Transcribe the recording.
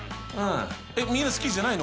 みんな好きじゃないの？